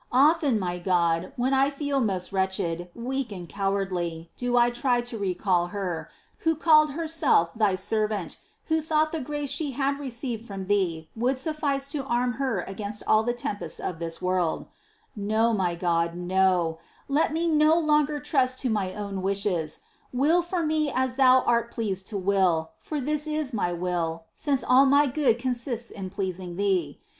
Often, my God, when I feel most wretched, weak, and cowardly, do I try to recall her, who called herself Thy servant, who thought the grace she had received from Thee would suffice to arm her against all the tempests of this world. 2 5. No, my God, no ! Let me no longer trust to my own wishes : will for me as Thou art pleased to will, 2 Life, ch, XXV. 23, 24. Castle, M. vi. ch. i. 21. I08 MINOR WORKS OF ST. TERESA. for this is my will, since all my good consists in pleasing Thee.